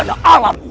ridu raden surawisesa